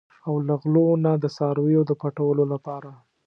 او له غلو نه د څارویو د پټولو لپاره.